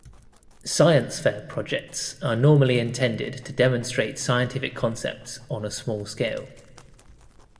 Science fair projects are normally intended to demonstrate scientific concepts on a small scale.